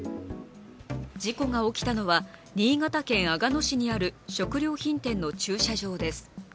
事故が起きたのは新潟県阿賀野市にある食料品店の駐車場です。